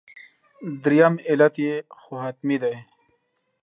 درېیم علت یې خو حتمي دی.